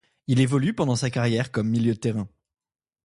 Il évolue pendant sa carrière comme milieu de terrain.